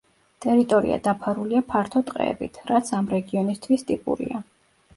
ტერიტორია დაფარულია ფართო ტყეებით, რაც ამ რეგიონისთვის ტიპურია.